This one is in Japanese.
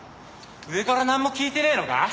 上からなんも聞いてねえのか？